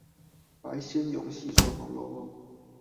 白先勇細說紅樓夢